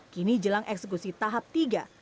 kini jelang eksekusi tahap tiga